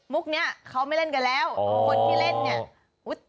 เนี้ยเขาไม่เล่นกันแล้วคนที่เล่นเนี่ย